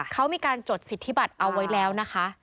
เขามีการจดสิทธิบัตรเอาไว้แล้วนะคะ